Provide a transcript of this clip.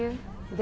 で